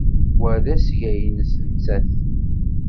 Wa d asga-nnes nettat.